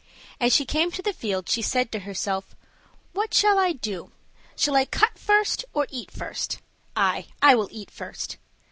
As she came to the field, she said to herself, "What shall I do? Shall I cut first, or eat first? Aye, I will eat first!"